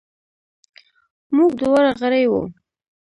موږ دواړه غړي وو.